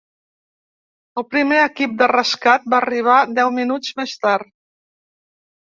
El primer equip de rescat va arribar deu minuts més tard.